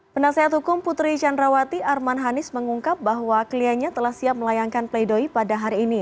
penasehat hukum putri candrawati arman hanis mengungkap bahwa kliennya telah siap melayangkan pleidoy pada hari ini